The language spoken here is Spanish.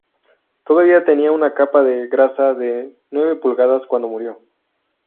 Todavía tenía una capa de grasa de nueve pulgadas cuando murió.